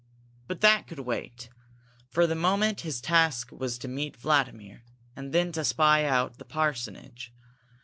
But that could wait. For the moment his task was to meet Vladimir and then to spy out the parsonage.